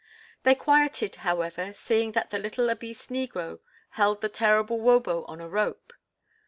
They quieted, however, seeing that the little obese negro held the terrible "wobo" on a rope.